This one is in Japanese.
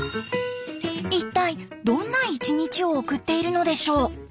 一体どんな１日を送っているのでしょう？